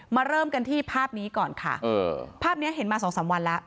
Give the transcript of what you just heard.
เริ่มกันที่ภาพนี้ก่อนค่ะภาพเนี้ยเห็นมาสองสามวันแล้ว